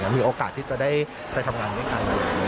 มีโอกาสที่จะได้ไปทำงานด้วยกัน